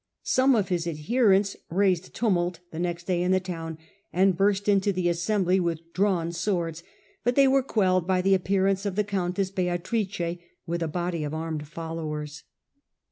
Some of his adherents raised a tumult the next day in the town, and burst into the assembly with drawn swords, but they were quelled by the ap pearance of the countess Beatrice with a body of armed followers.